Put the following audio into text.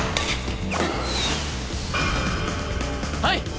はい！